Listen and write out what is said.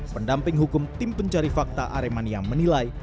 pendamping hukum tim pencari fakta aremania menilai